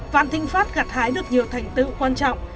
vã tĩnh pháp gạt hái được nhiều thành tựu quan trọng